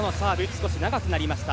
少し長くなりました。